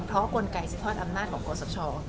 เพราะกลไกสิทธิ์ทอดอำนาจของกศ